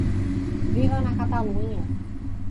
Viva na Catalunha!